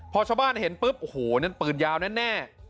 พอชาวบ้านเห็นปุ๊บโอ้โหนั่นปืนยาวแน่